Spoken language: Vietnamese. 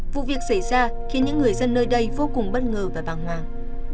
vụ việc xảy ra khiến những người dân nơi đây vô cùng bất ngờ và bàng hoàng